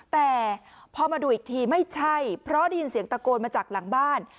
แต่พอมาดูอีกทีไม่ใช่เพราะได้ยินเสียงตะโกนมาจากหลังบ้าน